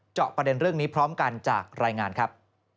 เจาะประเด็นเรื่องนี้พร้อมกันจากรายงานครับ